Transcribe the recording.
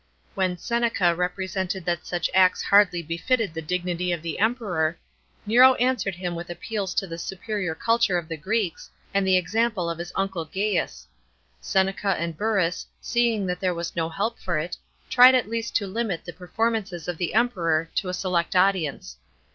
When Seneca represented that such acts hardly befitted the dignity of the Emperor, Nero answered him with appeals to the superior culture of the Greeks, and the example of his uncle Gaius. Seneca and Burrus, seeing that there was no help for it, tried at least to limit the performances of the Emperor to a select audience.